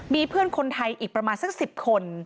มีเพื่อนคนไทยอีกประมาณสัก๑๐คน